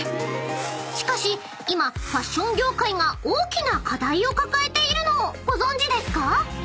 ［しかし今ファッション業界が大きな課題を抱えているのをご存じですか？］